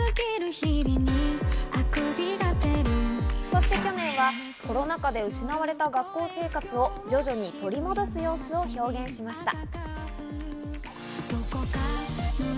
そして去年はコロナ禍で失われた学校生活を徐々に取り戻す様子を表現しました。